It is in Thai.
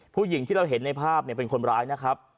ผู้หญิงที่เราเห็นในภาพเป็นคนร้ายนะครับ